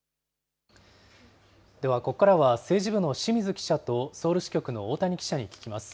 では、ここからは政治部の清水記者とソウル支局の大谷記者に聞きます。